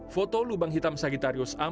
foto lubang hitam sagittarius amrut ini